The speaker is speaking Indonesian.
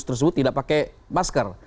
tersebut tidak pakai masker